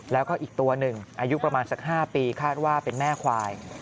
แล้วก็อีกตัวหนึ่งอายุประมาณสัก๕ปีคาดว่าเป็นแม่ควาย